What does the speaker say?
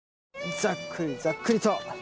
ざっくりざっくりと。